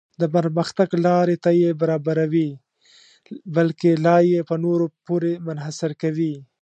د پرمختګ لارې ته یې برابروي بلکې لا یې په نورو پورې منحصر کوي.